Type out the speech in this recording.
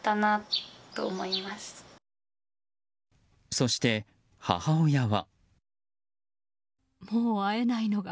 そして、母親は。